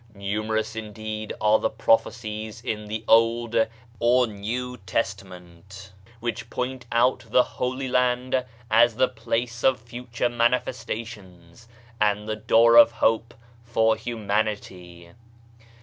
Numerous indeed are the prophecies in the Old or New Tes tament which point out the Holy Land as the place of future Manifestations, and the Door of Hope for humanity.